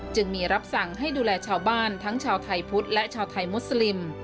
จึงมีรับสั่งให้ดูแลชาวบ้านทั้งชาวไทยพุทธและชาวไทยมุสลิม